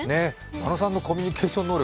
間野さんのコミュニケーション能力